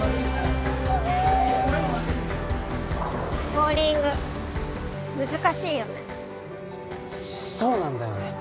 ボウリング難しいよねそうなんだよね